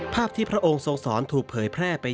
ภาพที่พระองค์ทรงสอนถูกเผยแพร่ไป